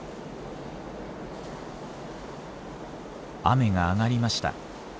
雨が上がりました。